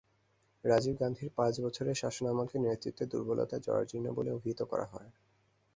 রাজীব গান্ধীর পাঁচ বছরের শাসনামলকে নেতৃত্বের দুর্বলতায় জরাজীর্ণ বলে অভিহিত করা হয়।